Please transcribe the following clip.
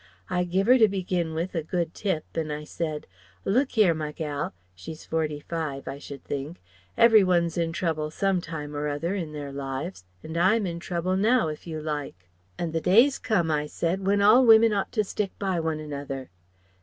I give her to begin with a good tip, an' I said: 'Look 'ere, my gal she's forty five I should think Every one's in trouble some time or other in their lives, and I'm in trouble now, if you like. And the day's come,' I said, 'when all women ought to stick by one another.'